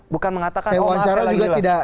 bukan mengatakan oh asal lagi lah